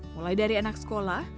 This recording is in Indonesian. mulai dari anak sekolah